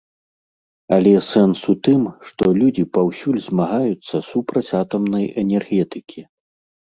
Але сэнс у тым, што людзі паўсюль змагаюцца супраць атамнай энергетыкі.